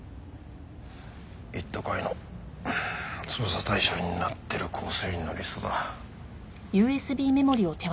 一途会の捜査対象になってる構成員のリストだ。